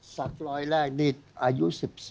สักรอยแรกนี่อายุ๑๔